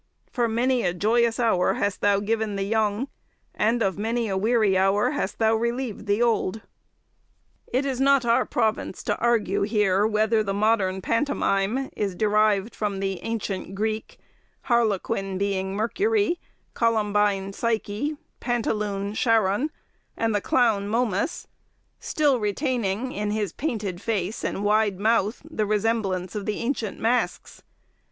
for many a joyous hour hast thou given the young, and of many a weary hour hast thou relieved the old. It is not our province to argue here whether the modern pantomime is derived from the ancient Greek, harlequin being Mercury; columbine, Psyche; pantaloon, Charon; and the clown, Momus—still retaining, in his painted face and wide mouth, the resemblance of the ancient masks.